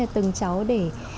từng cháu để